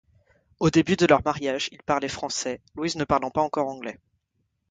Au début de leur mariage, ils parlaient français, Louise ne parlant pas encore anglais.